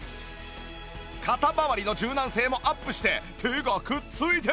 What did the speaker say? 肩まわりの柔軟性もアップして手がくっついてる！